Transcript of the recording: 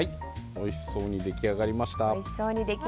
おいしそうに出来上がりました。